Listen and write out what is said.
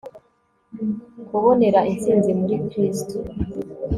Kubonera Intsinzi muri Kristo